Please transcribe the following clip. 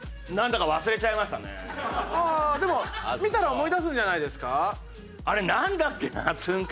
でも見たら思い出すんじゃないですか？